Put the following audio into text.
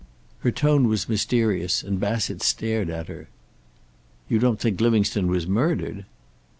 Her tone was mysterious, and Bassett stared at her. "You don't think Livingstone was murdered!"